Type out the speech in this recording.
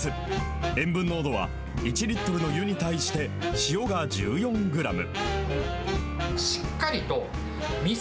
塩分濃度は１リットルの湯に対して塩が１４グラム。